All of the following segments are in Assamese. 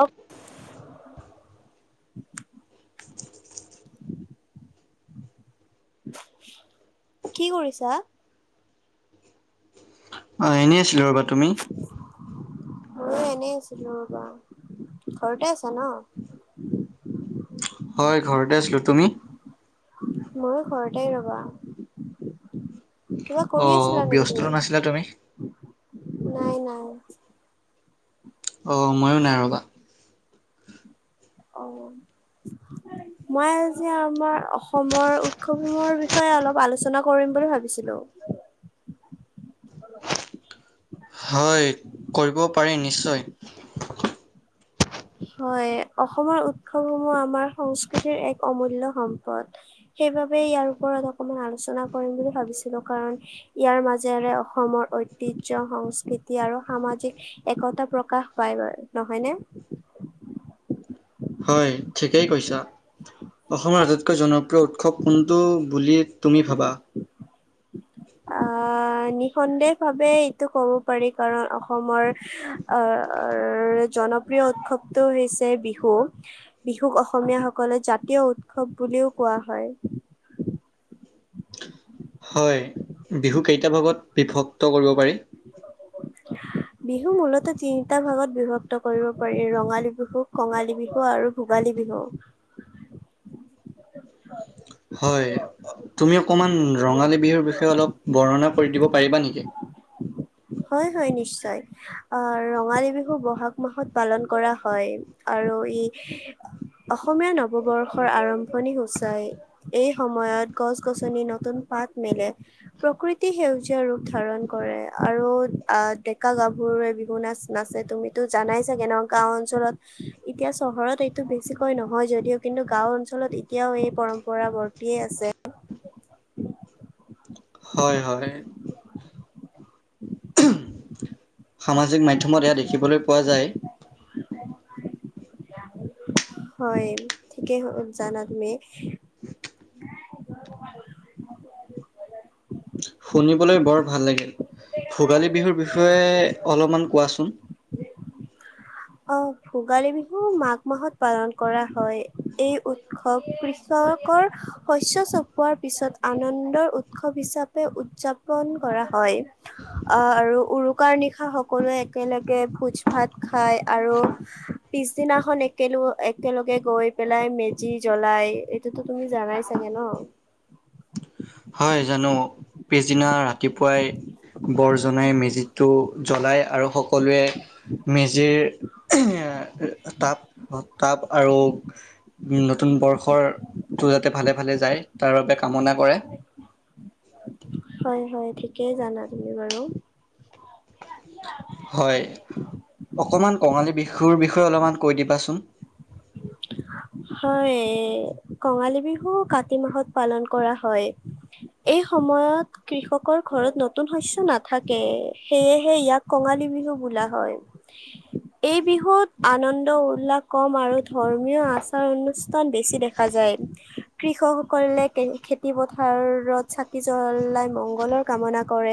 অ কি কৰিছা অ এনেই আছিলো ৰবা তুমি ময়ো এনেই আছিলো ৰ বা ঘৰতে আছা ন হয় ঘৰতে আছিলোঁ তুমি ময়ো ঘৰতে ৰবা কিবা কৰি আহ আছিলা নেকি ব্যস্ততো তুমি? আছিলা তুমি নাই নাই অঁ ময়ো নাই ৰ'বা অ মই আজি আমাৰ অসমৰ উৎসৱসমূহৰ বিষয়ে অলপ আলোচনা কৰিম বুলি ভাবিছিলো হয় কৰিব পাৰি নিশ্চয় হয় অসমৰ উৎসৱসমূহ আমাৰ সংস্কৃতিৰ এক অমূল্য সম্পদ সেইবাবে ইয়াৰ ওপৰত অকমান আলোচনা কৰিম বুলি ভাবিছিলো কাৰণ ইয়াৰ মাজেৰে অসমৰ ঐতিহ্য সংস্কৃতি আৰু সামাজিক একতা প্ৰকাশ পায় বাৰু নহয়নে হয় ঠিকেই কৈছা অসমৰ আটাইতকৈ জনপ্ৰিয় উৎসৱ কোনটো বুলি তুমি ভাবা অ নিঃসন্দেহ ভাৱে এইটো ক'ব পাৰি কাৰণ অসমৰ আহ জনপ্ৰিয় উৎসৱটো হৈছে বিহু বিহুক অসমীয়াসকলে জাতীয় উৎসৱ বুলিও কোৱা হয় হয় বিহু কেইটা ভাগত বিভক্ত কৰিব পাৰি বিহু মূলতঃ তিনিটা ভাগত বিভক্ত কৰিব পাৰি ৰঙালী বিহুক কঙালী বিহু আৰু ভোগালী বিহু হয় তুমি অকণমান ৰঙালী বিহুৰ বিষয়ে অলপ বৰ্ণনা দিব পাৰিবা নেকি হয় হয় নিশ্চয় আহ ৰঙালী বিহু ব'হাগ মাহত পালন কৰা হয় আৰু ই অসমীয়া নৱবৰ্ষৰ আৰম্ভণি সোচাই এই সময়ত গছ গছনি নতুন পাত মেলে প্ৰকৃতি সেউজীয়া ৰূপ ধাৰণ কৰে আৰু আহ ডেকা গাভৰুৱে বিহু নাচ নাচে তুমিতো জানাই চাগে ন গাওঁ অঞ্চলত এতিয়া চহৰত এইটো বেছিকৈ নহয় যদিও কিন্তু গাওঁ অঞ্চলত এতিয়াও এই পৰম্পৰা বৰ্তিয়ে আছে হয় হয় উমহ সামাজিক মাধ্যমত এয়া দেখিবলৈ পোৱা যায় হয় ঠিকেই জানা তুমি শুনিবলৈ বৰ ভাল লাগিল ভোগালী বিহুৰ বিষয়ে অলপমান কোৱাচোন আহ ভোগালী বিহু মাঘ মাহত পালন কৰা হয় এই উৎসৱ কৃষকৰ শস্য চপোৱাৰ পিছত আনন্দৰ উৎসৱ হিচাপে উদযাপন কৰা হয় আহ আৰু উৰুকাৰ নিশা সকলোৱে একেলগে ভোজ ভাত খাই আৰু পিছদিনাখন একেলগ একেলগে গৈ পেলাই মেজি জ্বলাই এইটোতো তুমি জানাই চাগে ন হয় জানো পিছদিনা ৰা। ৰাতিপুৱাই বৰ জনাই মেজিটো জ্বলায় আৰু সকলোৱে মেজিৰ উম এ তাপ তাপ আৰু। উ নতুন বৰ্ষৰ টো যাতে ভালে ভালে যায় তাৰ বাবে কামনা কৰে হয় হয় ঠিকেই জানা তুমি বাৰু হয় অকমান কঙালী বিহু বিহুৰ বিষয়ে অলমান কৈ দিবাচোন হয় এ কঙালী বিহু কাতি মাহত পালন কৰা হয় এই সময়ত কৃষকৰ ঘৰত নতুন শস্য নাথাকে সেয়েহে ইয়াক কঙালী বিহু বোলা হয় এই বিহুত আনন্দ উল্লাস কম আৰু। ধৰ্মীয় আচাৰ অনুষ্ঠান বেছি দেখা যায় কৃষকসকলে খেতি পথাৰত চাকি জলাই মংগলৰ কামনা কৰে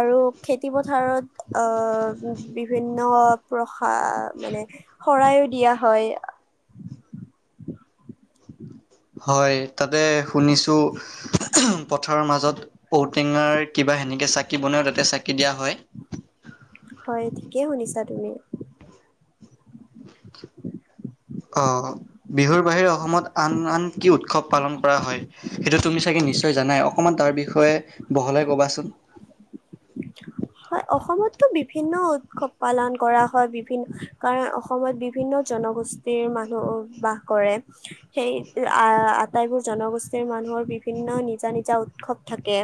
আৰু খেতি পথাৰত আহ বিভিন্ন প্ৰসাৰ মানে শৰাইও দিয়া হয় উম হয় তাতে শুনিছোঁ উমহ পথাৰৰ মাজত ঔটেঙাৰ কিবা সেনেকে চাকি বনাইও তাতে চাকি দিয়া হয় হয় ঠিকেই শুনিছা তুমি আহ বিহুৰ বাহিৰে অসমত আন আন কি উৎসৱ পালন কৰা হয় সেইটো তুমি চাগে নিশ্চয় জানাই অকণমান। তাৰ বিষয়ে বহলাই ক'বাচোন হয় অসমতটো বিভিন্ন উৎসৱ পালন কৰা হয় বিভিন্ন কাৰণ অসমত বিভিন্ন জনগোষ্ঠীৰ মানুহ বাস কৰে সেই আহ আটাইবোৰ জনগোষ্ঠীৰ মানুহৰ বিভিন্ন নিজা নিজা উৎসৱ থাকে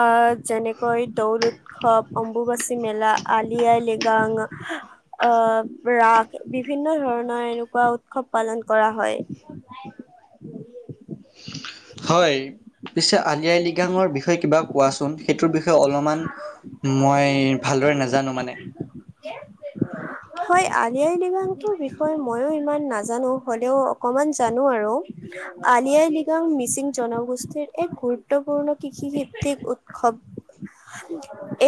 আহ যেনে কৈ দৌল উৎসৱ অম্বুবাচী মেলা আলি আই লৃগাং আহ ৰাস বিভিন্ন ধৰণৰ এনেকুৱা উৎসৱ পালন কৰা হয় হয় পিছে আলি আই লৃগাং বিষয়ে কিবা কোৱাচোন সেইটো বিষয়ে অলপমান মই ভালদৰে নাজানো মানে হয় আলি আই লৃগাংটোৰ বিষয়ে ময়ো ইমান নাজানো হ'লেও অকমান জানো আৰু আলি আই লৃগাং মিচিং জনগোষ্ঠীৰ এক গুৰুত্বপূৰ্ণ কৃষিভিত্তিক উৎসৱ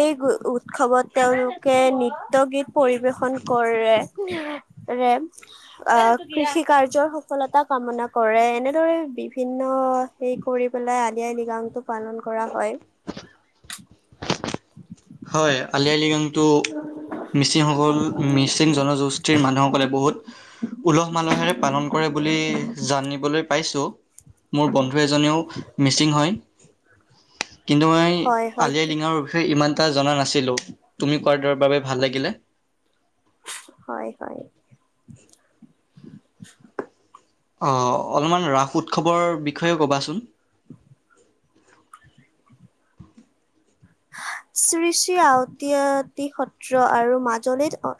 এই উৎসৱত তেওঁলোকে নৃত্য গীত পৰিৱেশন কৰে আহ কৃষি কাৰ্যৰ সফলতা কামনা কৰে এনেদৰে বিভিন্ন হে কৰি পেলাই আলি আই লৃগাংটো পালন কৰা হয় হয় আলি আই লৃগাংটো মিচিংসকল মিচিং জনগোষ্ঠীৰ মানুহসকলে বহুত উলহ মালহেৰে পালন কৰে বুলি জানিবলৈ পাইছোঁ। মোৰ বন্ধু এজনেও মিচিং হয়। কিন্তু মই হয় হয় আলিই লৃগাং বিষয়ে ইমান। জনা নাছিলো তুমি কোৱা তৰফ বাবে ভাল লাগিলে। হয় হয় অঁ অলপমান ৰাস উৎসৱৰ বিষয়ে কবাচোন উম শ্ৰী শ্ৰী আওঁতী আটি। আৰু মাজুলীত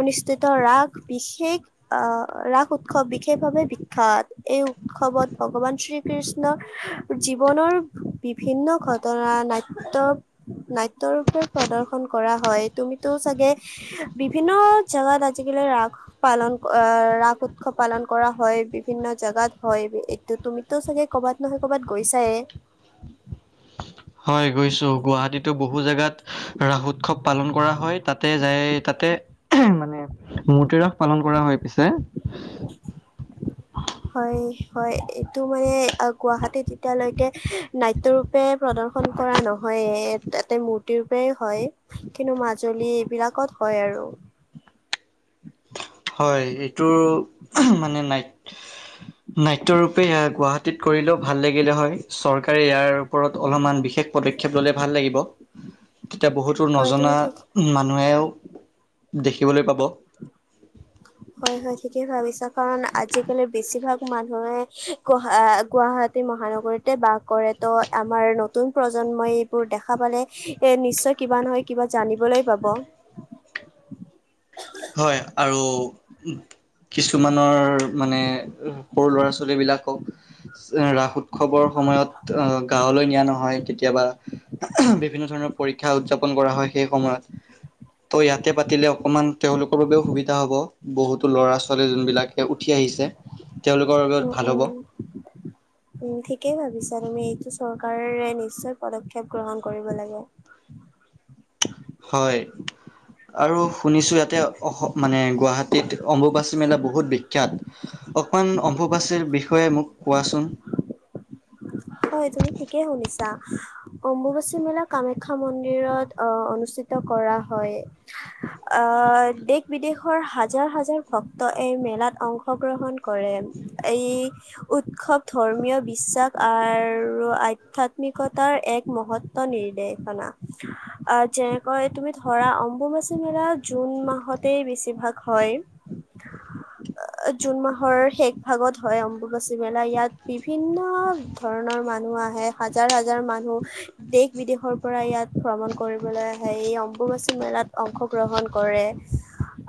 অনুষ্ঠিত ৰাস বিশেষ আহ ৰাস উৎসৱ বিশেষভাৱে বিখ্যাত এই উৎসৱত ভগৱান শ্ৰীকৃষ্ণৰ জীৱনৰ বিভিন্ন ঘটনা নাট্য নাট্য ৰূপে প্ৰদৰ্শন কৰা হয় তুমিতো চাগে বিভিন্ন জোগাত আজিকালি ৰাস পালন আহ ৰাস উৎসৱ পালন কৰা হয় বিভিন্ন জাগাত হয় এইটো তুমিতো চাগে কৰবাত নহয় কৰবাত গৈছায়ে। হয়। গৈছো গুৱাহাটীতো বহু জেগাত। ৰাস উৎসৱ পালন কৰা হয় তাতে যাই তাতে মানে মূৰ্তি ৰাস পালন কৰা হয় পিছে, হয় হয় এইটো মানে গুৱাহাটীত এতিয়ালৈকে নাট্য়ৰূপে, প্ৰদৰ্শন কৰা নহয়। তাতে মূৰ্তিৰ পৰাই হয় কিন্তু মাজুলী এইবিলাকত হয় আৰু, হয় এইটো মানে ন নাট্যৰূপে গুৱাহাটীত কৰিলেও ভাল লাগিলে হয় চৰকাৰে ইয়াৰ ওপৰত অলপমান বিশেষ, পদক্ষেপ ল'লে ভাল লাগিব। তেতিয়া বহুতো হয় তুমি নজনা ঠিক মানুহেও। দেখিবলৈ পাব। হয় হয় ঠিকেই ভাবিছা কাৰণ আজিকালি বেছিভাগ মানুহে গ গুৱাহাটী মহানগৰীতে বাস কৰে ত আমাৰ নতুন প্ৰজন্মই এইবোৰ দেখা পালে এ নিশ্চয় কিবা নহয় কিবা জানিবলৈ পাব। হয় আৰু। কিছুমানৰ মানে সৰু ল'ৰা ছোৱালীবিলাকক ৰাস উৎসৱৰ সময়ত গাঁৱলৈ নিয়া নহয় কেতিয়াবা বিভিন্ন ধৰণৰ পৰীক্ষা উদযাপন কৰা হয় সেই সময়ত ত' ইয়াতে পাতিলে অকণমান, তেওঁলোকৰ বাবেও সুবিধা হ'ব বহুতো ল'ৰা ছোৱালী যোনবিলাকে উঠি আহিছে, তেওঁলোকৰ বাবে উম ভাল হ'ব উম উম! ঠিকেই ভাবিছা তুমি এইটো চৰকাৰ। নিশ্চয় পদক্ষেপ গ্ৰহণ কৰিব লাগে। হয় আৰু শুনিছো ইয়াতে অঁ মানে গুৱাহাটীত অম্বুবাচী মেলা বহুত বিখ্যাত অকমান অম্বুবাচীৰ বিষয়ে মোক কোৱাচোন? হয় তুমি ঠিকে শুনিছা, অম্বুবাচী মেলা কামাখ্যা মন্দিৰত অঁ, অনুষ্ঠিত কৰা হয় অ দেশ বিদেশৰ হাজাৰ হাজাৰ ভক্ত এই মেলাত অংশগ্ৰহণ কৰে এই উৎসৱ ধৰ্মীয়, বিশ্বাস, আৰু আধ্যাত্মিকতাৰ এক মহত্ব নিৰ্দেশনা আহ যেনেকৈ তুমি ধৰা অম্বুবাচী মেলা জুন মাহতেই বেছিভাগ হয় জুন মাহৰ শেষ ভাগত হয় অম্বুবাচী মেলা ইয়াত বিভিন্ন। ধৰণৰ মানুহ আহে হাজাৰ হাজাৰ মানুহ দেশ বিদেশৰ পৰা ইয়াত ভ্ৰমণ কৰিবলৈ আহে এই অম্বুবাচী মেলাত অংশগ্ৰহণ কৰে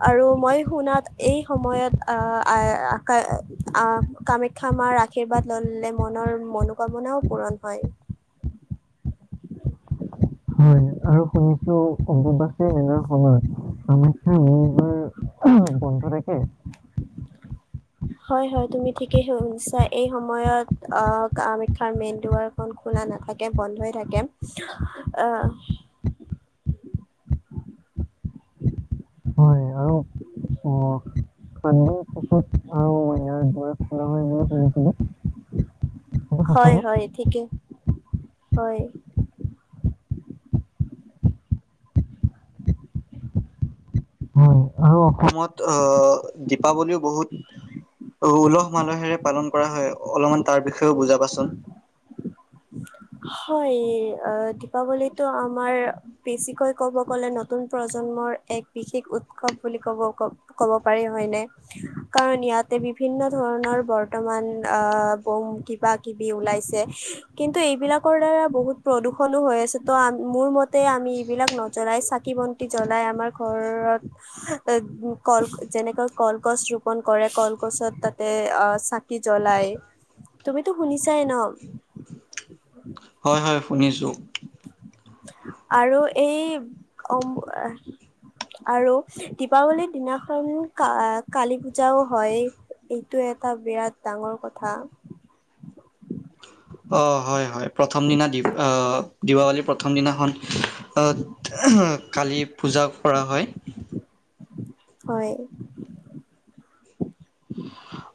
আৰু মই শুনাত এই সময়ত আহ আকা আহ কামাখ্যা মাৰ আশীৰ্বাদ ললে মনৰ, মনোকামনাও পূৰণ হয়। শুনিছো অম্বুবাচী মেলাৰ সময় কামাখ্য মা, [unintelligible] হয় হয় তুমি ঠিকেই শুনিছা এই সময়ত আহ কামাখ্যাৰ মেইন দুৱাৰখন খোলা নাথাকে বন্ধ থাকে আহ, হয় আৰু আহ, [unintelligible] সাতদিন পিছত আৰু ইয়াৰ দুৱাৰ খোলা হয় বুলি শুনিছিলোঁ সেইটো হয় সঁচানে হয় ঠিকে হয়। হয় আৰু অসমত আহ দীপাৱলীও বহুত উলহ মালহেৰে পালন কৰা হয় অলপমান তাৰ বিষয়েও বুজাবা চোন। হয় আহ দীপাৱলীটো আমাৰ বেছিকৈ কব গলে নতুন প্ৰজন্মৰ এক বিশেষ উৎসৱ বুলি কব কব পাৰি হয়নে। কাৰণ ইয়াতে বিভিন্ন ধৰণৰ বৰ্তমান আহ বম কিবা কিবি ওলাইছে। কিন্তু এইবিলাকৰ দ্বাৰা বহুত প্ৰদূষণো হৈ আছে ত' মোৰ মতে আমি এইবিলাক নজ্বলাই চাকি বন্তি জ্বলাই আমাৰ ঘৰত এ কল যেনেকৈ কলগছ ৰোপন কৰে কলগছত তাতে অ চাকি জ্বলাই তুমিতো শুনিছাই ন। হয় হয় শুনিছোঁ। আৰু এই অম আৰু দীপাৱলীৰ দিনাখন কালী পূজাও হয় এইটো এটা বিৰাট ডাঙৰ কথা। অ হয় হয় প্ৰথম দিনা দি দীপাৱলীৰ প্ৰথম দিনাখন কালি পূজা কৰা হয়। হয়।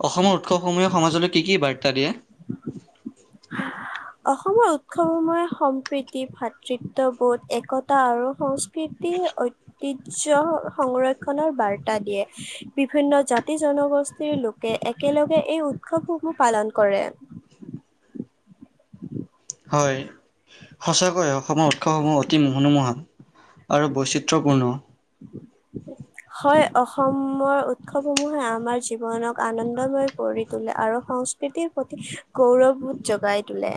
অসমৰ উৎসৱ সমূহে সমাজলৈ কি কি বাৰ্তা দিয়ে? অসমৰ উৎসৱসমূহে সম্প্ৰীতি, ভাতৃত্ববোধ, একতা আৰু সংস্কৃতিৰ ঐতিহ্য সংৰক্ষণৰ বাৰ্তা দিয়ে। বিভিন্ন জাতি জনগোষ্ঠীৰ লোকে একেলগে এই উৎসৱসমূহ পালন কৰে। হয়, সঁচাকৈ অসমৰ উৎসৱসমূহ অতি মনোমোহন আৰু বৈচিত্ৰপূৰ্ণ। হয়, অসমৰ উৎসৱসমূহে আমাৰ জীৱনক আনন্দময় কৰি তোলে আৰু সংস্কৃতিৰ প্ৰতি গৌৰৱবোধ জোগাই তোলে।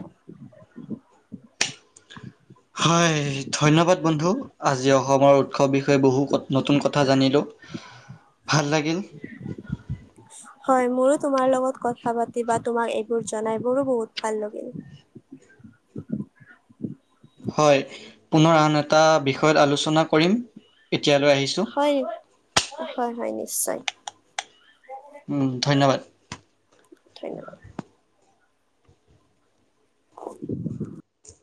হয় ধন্যবাদ। বন্ধু আজি অসমৰ উৎসৱ বিষয়ে বহু নতুন কথা জানিলোঁ ভাল লাগিল। হয়, মোৰো তোমাৰ লগত কথা পাতি বা তোমাক এইবোৰ জনাই মোৰো বহুত ভাল লাগিল। হয়, পুনৰ আন এটা বিষয়ত আলোচনা কৰিম, এতিয়ালৈ আহিছোঁ হয়- হয় -হয় নি নিশ্চয়। উম, ধন্যবাদ। ধন্যবাদ। [unintelligible]